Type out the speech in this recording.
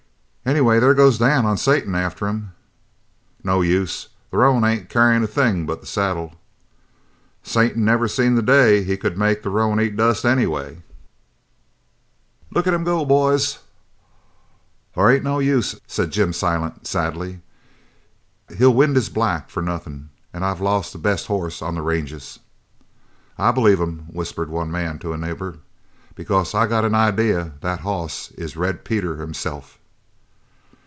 "Anyway there goes Dan on Satan after him!" "No use! The roan ain't carryin' a thing but the saddle." "Satan never seen the day he could make the roan eat dust, anyway!" "Look at 'em go, boys!" "There ain't no use," said Jim Silent sadly, "he'll wind his black for nothin' an' I've lost the best hoss on the ranges." "I believe him," whispered one man to a neighbour, "because I've got an idea that hoss is Red Peter himself!"